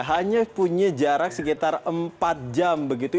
hanya punya jarak sekitar empat jam begitu